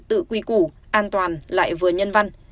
tùy củ an toàn lại với nhân văn